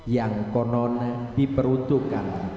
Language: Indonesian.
yang konon diperuntukkan